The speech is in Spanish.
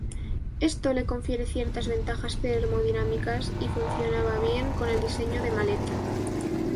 Esto le confiere ciertas ventajas termodinámicas, y funcionaba bien con el diseño de Mallet.